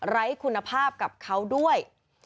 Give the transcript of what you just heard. ไร้คุณภาพกับเขาด้วย